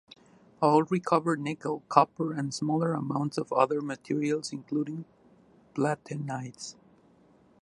All recovered nickel, copper, and smaller amounts of other materials including platinides.